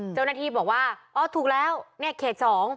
เจ้าหน้าที่บอกว่าอ๋อถูกแล้วเนี่ยเขต๒